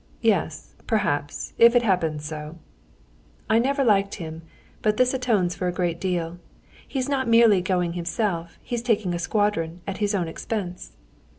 "Yes, perhaps, if it happens so." "I never liked him. But this atones for a great deal. He's not merely going himself, he's taking a squadron at his own expense."